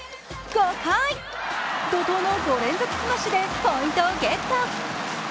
怒とうの５連続スマッシュでポイントをゲット。